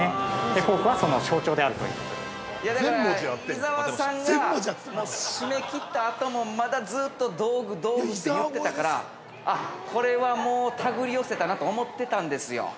◆伊沢さんが締め切ったあともまだずっと道具、道具って言ってたからあっ、これはもう手繰り寄せたなと思ってたんですよ。